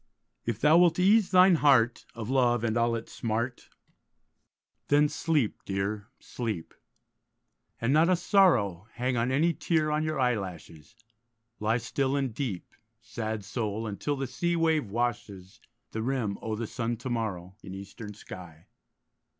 If thou wilt ease thine heart Of love and all its smart, Then sleep, dear, sleep; And not a sorrow Hang any tear on your eyelashes; Lie still and deep, Sad soul, until the sea wave washes The rim o' the sun to morrow, In eastern sky.